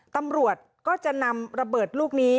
ตำรวจก็จะนำระเบิดลูกนี้